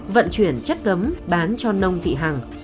vận chuyển chất cấm bán cho nông thị hàng